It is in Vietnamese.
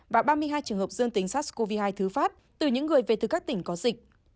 và ba mươi hai trường hợp dương tính sars cov hai thứ phát từ những người về từ các tỉnh có dịch